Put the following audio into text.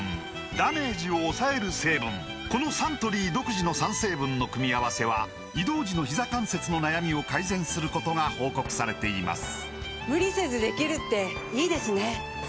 このサントリー独自の３成分の組み合わせは移動時のひざ関節の悩みを改善することが報告されています